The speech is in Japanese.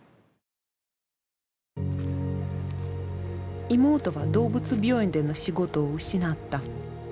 何かここに妹は動物病院での仕事を失った。